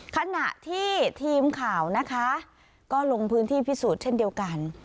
ขณะที่ทีมข่าวนะคะก็ลงพื้นที่พิสูจน์เช่นเดียวกัน